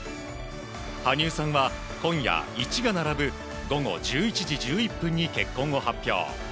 羽生さんは今夜１が並ぶ午後１１時１１分に結婚を発表。